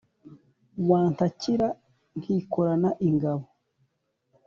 wantakira nkikorana ingabo.